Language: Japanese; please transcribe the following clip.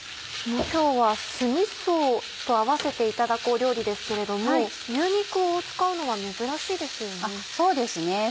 今日は酢みそと合わせていただく料理ですけれども牛肉を使うのは珍しいですよね？